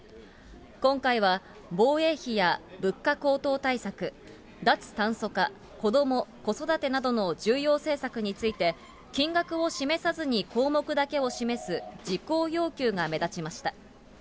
今回は、防衛費や物価高騰対策、脱炭素化、子ども・子育てなどの重要政策について、金額を示さずに項目だけを示す事項要求が目立ちました。